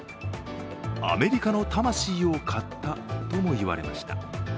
アメリカの魂を買ったとも言われました。